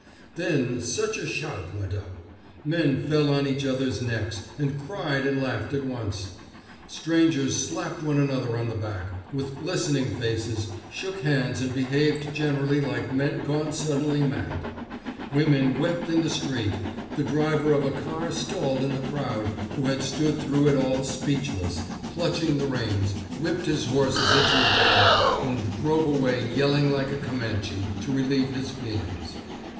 Then such a shout went up! Men fell on each other's necks, and cried and laughed at once. Strangers slapped one another on the back, with glistening faces, shook hands, and behaved generally like men gone suddenly mad. Women wept in the street. The driver of a car stalled in the crowd, who had stood through it all speechless, clutching the reins, whipped his horses into a gallop, and drove away yelling like a Comanche, to relieve his feelings.